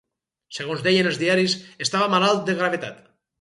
Segons deien els diaris, estava malalt de gravetat.